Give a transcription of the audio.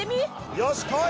よしこい！